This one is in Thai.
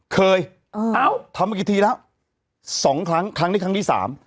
เอ้าทำมากี่ทีแล้ว๒ครั้งครั้งนี้ครั้งที่สาม